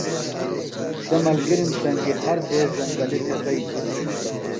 سےۡ ملگِرِم سنگیۡ ہر دیس زنگلیۡ تھےۡ بئینیۡ۔